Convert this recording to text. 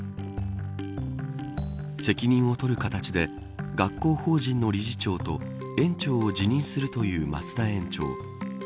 責任を取る形で学校法人の理事長と園長を辞任するという増田園長。